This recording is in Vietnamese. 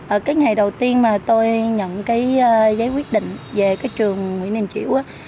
ở cái ngày đầu tiên mà tôi nhận cái giấy quyết định về cái trường nguyễn đình chiểu á